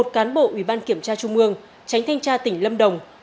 một cán bộ ủy ban kiểm tra trung ương tránh thanh tra tỉnh lâm đồng